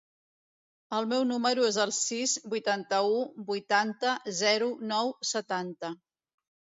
El meu número es el sis, vuitanta-u, vuitanta, zero, nou, setanta.